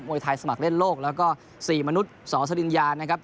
วยไทยสมัครเล่นโลกแล้วก็๔มนุษย์สอสริญญานะครับ